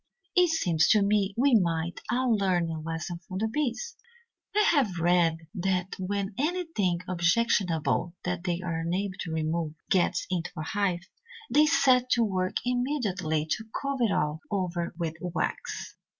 "It seems to me we might all learn a lesson from the bees. I have read that when anything objectionable that they are unable to remove gets into a hive, they set to work immediately to cover it all over with wax.